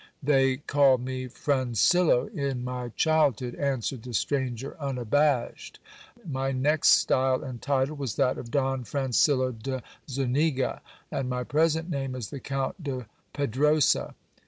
They called me Francillo in my child hood, answered the stranger unabashed ; my next style and title was that of Don Francillo de Zuniga ; and my present name is the Count de Pedrosa.